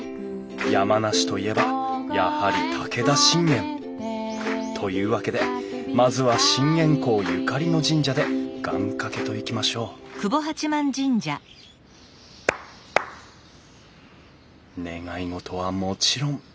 山梨といえばやはり武田信玄。というわけでまずは信玄公ゆかりの神社で願かけといきましょう願い事はもちろん！